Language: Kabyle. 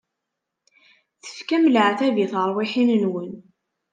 Tefkam leɛtab i terwiḥin-nwen.